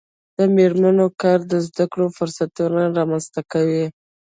د میرمنو کار د زدکړو فرصتونه رامنځته کوي.